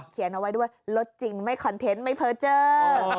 เขียนเอาไว้ด้วยลดจริงไม่คอนเทนต์ไม่เพอร์เจอร์